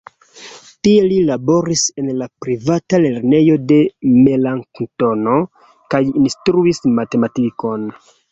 Tie li laboris en la privata lernejo de Melanktono kaj instruis matematikon.